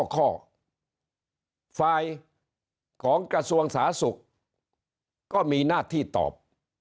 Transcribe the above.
ต่อไฟล์ของกระทรวงสาธารณ์ศักดิ์สุรคมมีหน้าที่ตอบ